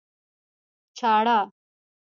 چاړه